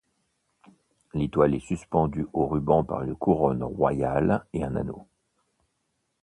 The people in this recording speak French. L'étoile est suspendue au ruban par une couronne royale et un anneau.